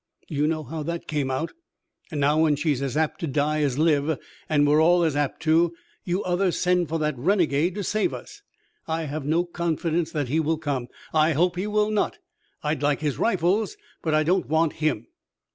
You know how that came out. And now, when she's as apt to die as live, and we're all as apt to, you others send for that renegade to save us! I have no confidence that he will come. I hope he will not. I'd like his rifles, but I don't want him."